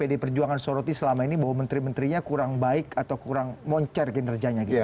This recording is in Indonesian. ya atau pd perjuangan soroti selama ini bahwa menteri menterinya kurang baik atau kurang moncer kinerjanya gitu bang